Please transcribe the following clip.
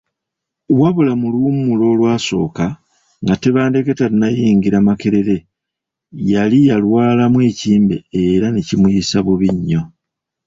Wabula mu lummula olwasooka, nga Tebandeke tannayingira Makerere yali yalwalamu ekimbe era ne kimuyisa bubi nnyo.